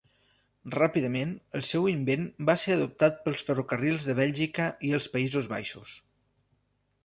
Ràpidament el seu invent va ser adoptat pels ferrocarrils de Bèlgica i els Països Baixos.